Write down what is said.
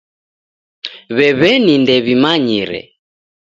W'ew'eni ndew'imanyire.